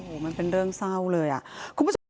โหมันเป็นเรื่องเศร้าเลยอ่ะ